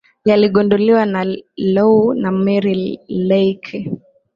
Yaligunduliwa na Loui na Mary Leakey